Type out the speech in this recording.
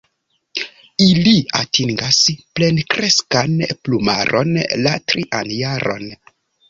Ili atingas plenkreskan plumaron la trian jaron.